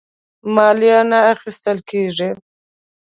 مالیه نه اخیستله کیږي.